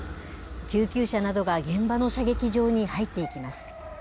救急車などが現場の射撃場に入っていきます。